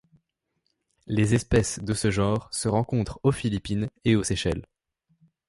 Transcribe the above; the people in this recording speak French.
Les espèces de ce genre se rencontrent aux Philippines et aux Seychelles.